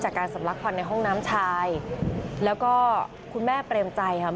จากการสำรัชค์ความในโรงน้ำชายแล้วก็คุณแม่เป็นใจค่ะ